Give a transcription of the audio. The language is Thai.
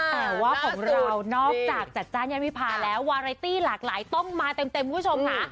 แต่ว่าของเรานอกจากจัดจ้านย่านวิพาแล้ววาไรตี้หลากหลายต้องมาเต็มคุณผู้ชมค่ะ